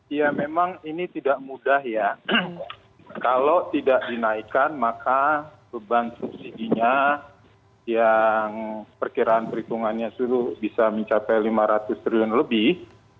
ya memang ini tidak mudah ya kalau tidak dinaikkan maka beban subsidinya yang perkiraan perhitungannya sudah bisa mencapai lima ratus triliun lebih